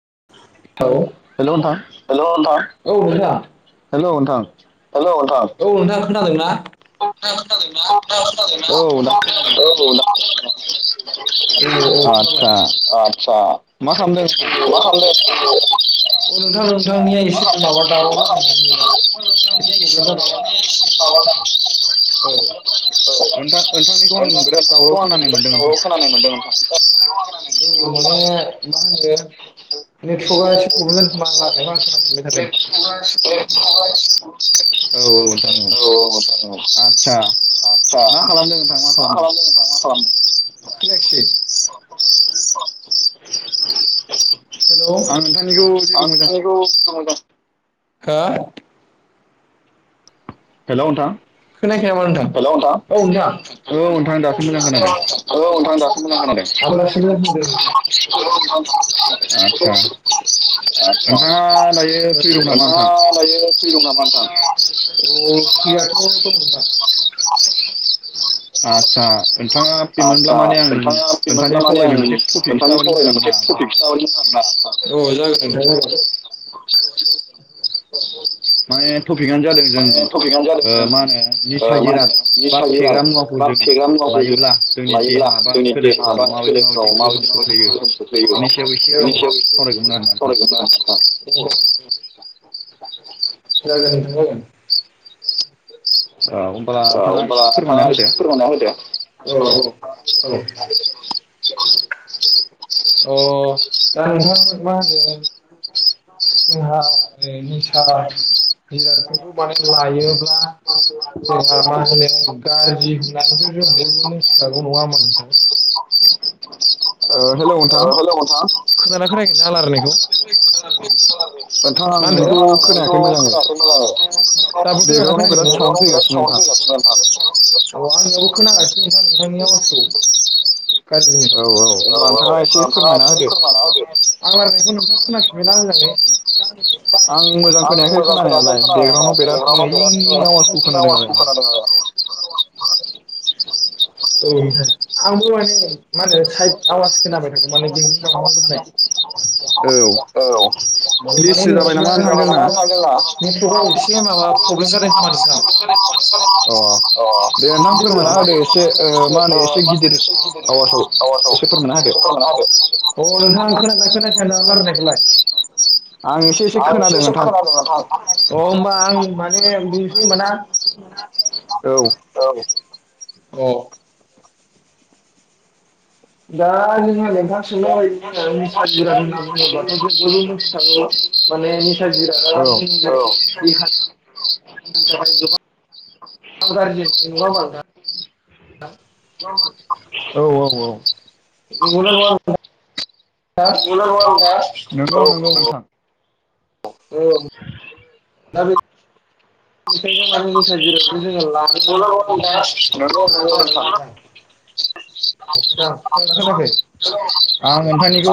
औ हेलौ नोंथां औ नोंथां हेलौ नोंथां औ नोंथाङा खोनादों ना? औ औ आच्छा मा खालामदों? [unintelligible] [unintelligible] [inaudible] [inaudible] नोंथां नोंथांनिखौ आं बिराद दावराव खोनानाय मोनदों नोंथां [unintelligible] [unintelligible] औ औ नोंथां औ आच्छा मा खालामदों नोंथां मा खालामदों? अ खोनायाखिसै हेलौ [unintelligible] हो हेलौ नोंथां खोनायाखै नामा नोंथां हेलौ नोंथां औ [unintelligible] आच्छा नोंथाङा दायो फ्रि दं नामा नोंथां [unintelligible] आच्छा नोंथाङा फ्रिमोनब्ला माने आं नोंथांजों सावरायनाय मोनसे टपिकसो लाबोदोंमोन आरो ना नोंथां औ जागोन नोथां जागोन माने टपिगानो जादों ओ मा होनो जिसाजिराद बा फेग्रा मुवाफोर लायोब्ला जोंनि देहा बा सोलेरफ्राव माबायदि माबायदि गोहोम खोख्लैयो [unintelligible] जागोन नोंथां जागोन औ होमबा नोंथाङा एसे फोरमायना होदो औ औ औ अ दा नोंथां मा होनो जोंहा निसा जिरादफोरखौ माने लायोब्ला जोंहा मा होनो गाज्रि होननानैथ' बयबो मोन खागौ नङा होमबा नोंथां? हेल' नोंथां खोनादोंना खोनायाखै आं रायलायनायखौ [unintelligible] [unintelligible] नोंथांनि आवाजखौ गाज्रिनो औ औ अब्ला नोंथाङा एसे फोरमाना होदो आं रायलायनायखौ नोंथाङा खोनादों दोंना मोजाङै आं मोजां खोनायाखै खोनानायालाय बेकग्राउन्डआव बिरादनो इं इं आवासखौ खोनादों आरो आं [unintelligible] औ नोथां आंबो माने मा होनो साइद आवाज खोनाबाय थादों माने बेंबें बांबां बुंनाय औ औ माने [unintelligible] प्रब्लेम जादों खोमा नोंथां। [unintelligible] [unintelligible] औ नोंथां खोनागोना खोनायाखै? [unintelligible] औ एसे एसे खोनादों नोथां अ होमबा आं माने ए बुंनोसै होनबा ना औ औ दा जोङो नोंथां सोंनाय बायदिनो निसा जिराद होनना बुङोब्लाथ जों बयबो मिथिखागौ मा बे निसा जिरादआ देहा [unintelligible] औ औ औ नंगौना नङा नोथां? हो औ औ औ [unintelligible] ओखायनो माने निसा जिरादखौ जोङो लानो [unintelligible] नोथां खोनायाखै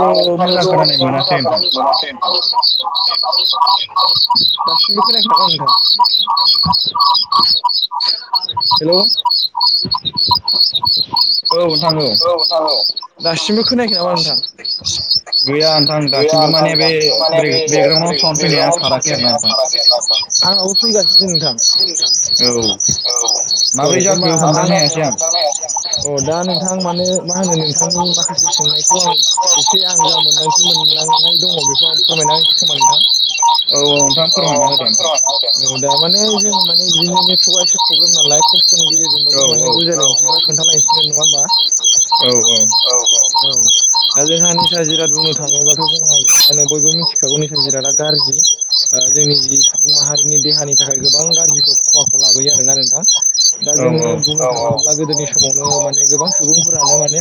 औ नोंथांनिखौ मोजां [unintelligible] [unintelligible] हेल औ दासिमबो खोनायाखै नामा नोंथां? गैया नोंथां दासिमबो माने बे ब्रेक ग्राउन्डआव साउन्ड फैनाया खाराखै आरोना नोंथां [unintelligible] आंनावबो फैगासिनो नोंथां औ औ मा [unintelligible] अ दा नोंथां मानो मा होनो नोंथांनि माखासे सोंनायखौ आं एसे आंगा मोनदांसैमोन मोनदांनाय दं बेखौ आं फोरमायना होनोसै खोमादां औ औ नोंथां फोरमायना होदो दा माने जों मान बिदिनो नेटवर्कआ एसे प्रब्लेम नालाय खस्थनि गेजेरजोंबाबो माने बुजायलांना खोन्थानायसै जेनबा मा औ औ दा जोंहा निसा जिराद बुंनो थाङोबाथ जोंहा बयबो मिथिखागौ निसा जिरादा गाज्रि ओ जोंनि जि सुबुं माहारिनि देहानि थाखाय गोबां गाज्रिखौ खहाखौ लाबोयो आरोना नोंथां दा जोङो बुंनो थाङोब्ला गोदोनि समावनो माने गोबां सुबुंफोरानो माने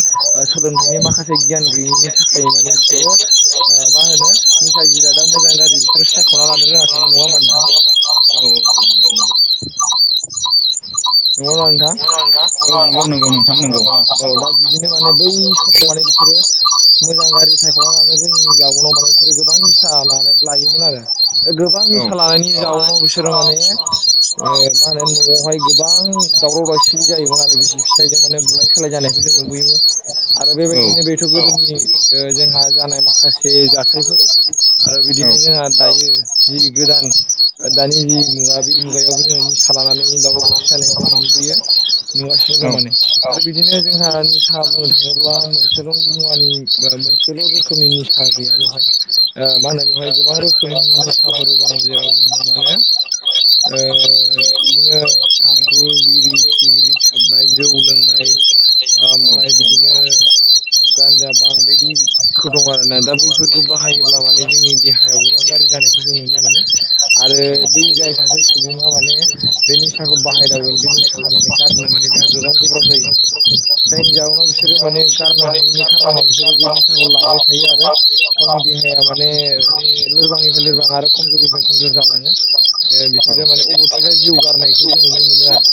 सोलोंथाइनि माखासे गियान गैयिनि था थाखाय माने बिसोरो मा होनो निसा जिरादा मोजां गाज्रि बिसोरो सायखना लानो रोंयाखैमोन नङा होनबा नोंथां? औ [unintelligible] नङा ना नोंथां [unintelligible] औ दा बिदिनो बै समखौ बिदिनो बिसोरो मोजां गाज्रि सायखनानै लानो रोंयि जाउनाव माने बिसोरो गोबां निसा लाना लायोमोन आरो गोबां निसा लानायनि जाउनाव बिसोरो माने ओ मा होनो नयाव हाय गोबां दाव दावराव बावसि जायोमोन आरो बिसि फिसायजों मोने बुलाय सोलाय जानायखौ जों नुबोयोमोन आरो बेबायदिनो बेथ गोदोनि जोंहा जानाय माखासे जाथायफोर आरो बिदिनो जोंहा दायो जि गोदान दानि जि मुगा बे मुगायावबो जों निसा लानानै दावराव दावसि जानायखौ नुबोैयो। नुगासिनो दं माने बिदिनो जोंहा निसा बुंनो थाङोब्ला नोंसोर मुवानि मोनसेल रोखोमनि निसा गैया बेवहा ओ मा होनो बेवहाय गोबां रोखोमनि निसाफोर ओ बिदिनो ओ थांखु बिरि बिरि सोबनाय जौ लोंनाय मफ्राय बिदिनो गानज [unintelligible] बायदिखौ दं आरोना दा बैफोरखौ बाहायोब्ला माने जोंनि देहायाव गोबां गाज्रि जानायखौ जों नुदों। [unintelligible] आरो बै जाय सासे सुबुङा माने बे नि साहाखौ बाहायनावगोन बेनि साहाखौ गारनो माने बेहा गोबां गोब्राब जायो जायनि जाउोनाव बिसोरो माने गारनो हायैनि खार [unintelligible] लाबाय थायो आरो फालांगि जाया माने लोरबांनिफ्राय लोरबां आरो खमजुरिनिफ्राय खमजुर जानङो। बिसोरो माने अबेथि जिउ गार फ जों नुनो मोनो आरो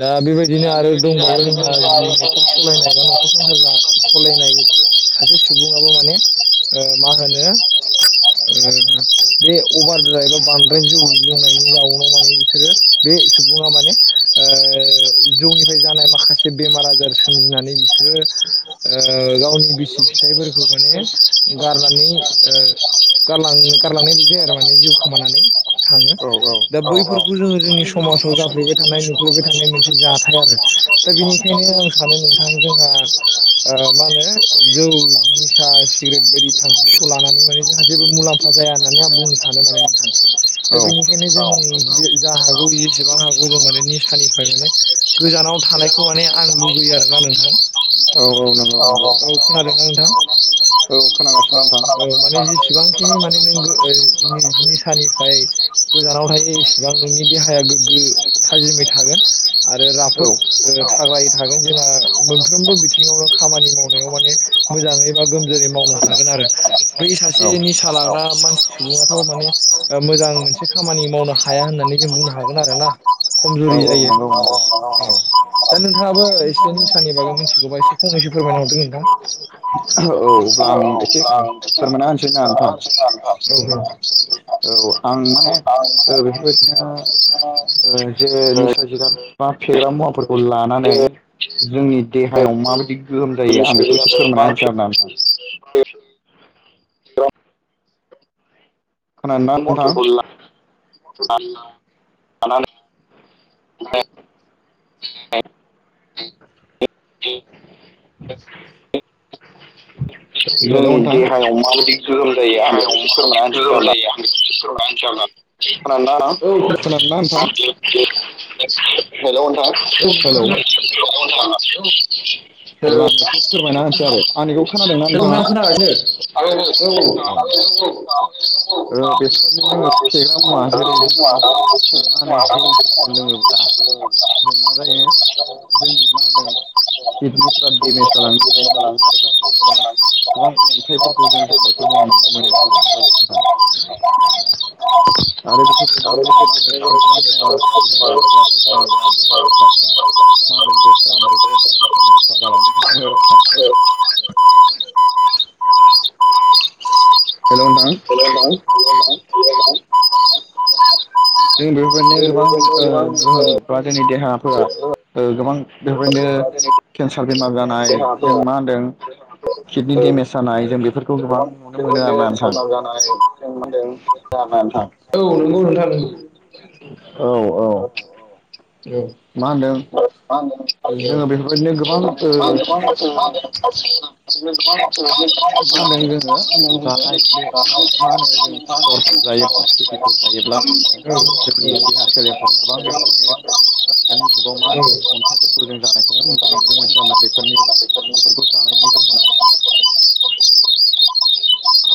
दा बेबायदि बिदिनो आरो दंबावो जोंहा न'खर सालायनाय बा न'खर संसार सालायनाय सासे सुबुङाबो माने ओ मा होनो बे अभारा एबा बांद्राय जौ लोंनायनि जाउनाव माने बिसोरो बे सुबुङा माने ओ जौनिफ्राय जानाय माखासे बेमार आजार सोमजिनानै बिसोरो ओ गावनि बिसि फिथाइफोरखौ माने गारनानै ओ गारां गारलांनायबो जायो आरो माने जिउ खामानानै थाङो दा बैफोरखौ जोङो जोंनि समाजाव जाफ्लेबाय थानाय नुफ्लेबाय थानाय मोनसे जाथाय आरो दा बेनिखायनो आं सानो नोंथां जोंहा ओ मा होनो जौ निसा सिगारेट बायदि थांखिखौ लानानै माने जोंहा जेबो मुलाम्फा जाया होन्नानै आं बुंनो सानो। दा बिनिखायनो जोंनि जा हागौ जेसेबां हागौ जों माने निसानिफ्राय माने गोजानाव थानायखौ माने आं लुबैयो आरो नोंथां खोनादोंना नोंथां? औ औ माने जेसेबांखिनि माने नों बिदिनि सानिफ्राय गोजानाव थायो। इसेबां नोंनि देहाया गोग्गो थाजिमै थागोन आरो राफोद ओ थाय थांङो जोंहा मोनफ्रोमबो बिथिङावनो खामानि मावनायाव माने मोजाङै बा गोमजोरै मावनो हागोन आरो बै सासेनि सलादा मानसि सुबुङाथ' माने मोजां मोनसे खामानि मावनो हाया होननानै जों बुंनो हागोन आरो ना। खमजुरि जायो। दा नोंथाङाबो एसे निसानि बागै मिथिगौबा एसे खंनैसो फोरमायना हरदों नोंथां। औ औ [unintelligible] औ आं माने बेफोरबायदिनो ओ जे निसा जिराद बा फेग्रा मुवाफोरखौ लानानै जोंनि देहायाव माबायदि गोहोम जायो आं बेखौ एसे फोरमायना होनसै आर ना नोंथां। खोनाय नोंथां? जानानानै हेलौ नोंथां। [unintelligible] हेलौ फोरमायना होनसै आरो आंनिखौ खोनादोंना नोंथाङा औ [unintelligible] [unintelligible] माहिफोरखौ लोङोब्ला मोना जायो जों ना [unintelligible] गोबां नेथाइफोरखौ जों जानायखौ जों नुनो मोनदों आरो आरो बेफोरबायायनो [unintelligible] [unintelligible] हेल [unintelligible] जों बेफोरबायदिनो गोबां [unintelligible] गोबां बेबायदिनो केन्सार बेमार जानाय जों मा होनदों खिनि देमेस जानाय जों बे गोबां बेबायदिनो सजाम जानाय दों जा नथां औ नंगौ नोंथां नंगौ। औ औ। मा होनदों? जोङो बेफोरबायदिनो गोबां ओ मा होनो जोङो जानाय मा होनो ज खर जायोब्ला खे जायोब्ला मा होनदों जोंनि देहाोलेरफ्राव गोबां बेबायदिनो आथि जुगाव मा खन्थाम गों जानायखौ नुनो मोन होनना बेफोर खौ जानायनि जाहोनाव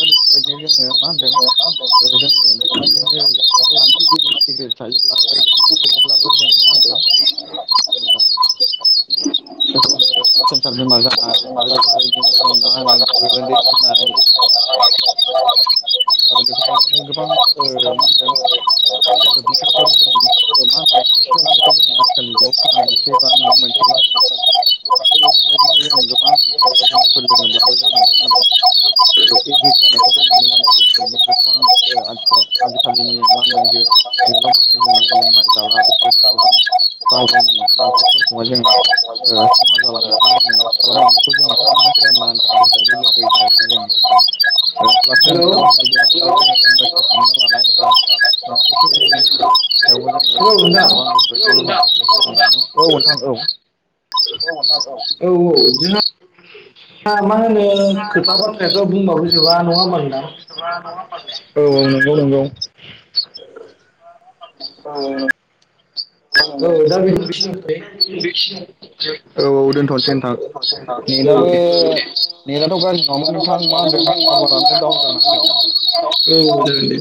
बेफोर बायदिनो जोङो मा होनदों [unintelligible] [unintelligible] खेनसार बेमार जानो हागौ आरो बेफोर बायदिनो जों मा लागोन [unintelligible] [unintelligible] [unintelligible] [unintelligible] [unintelligible] [unintelligible] [unintelligible] [unintelligible] [unintelligible] [unintelligible] औ औ बिदिनो मा होनो खोथा बाथ्रायाथ' बुंबाबो जोबा नङा होनबा नोंथां? औ औ नंगौ नंगौ। औ दा बिदि बिकिनि आवनो औ औ दोनथ'नोसै नोंथां। नेटआबो नेटआथ' गाज्रि नङामोन नोंथां मा होनदों सारभारानो दडाउन जा होदों नामा? औ जागोन दे।